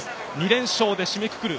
２連勝で締めくくる